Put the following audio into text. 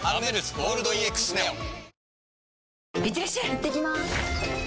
いってきます！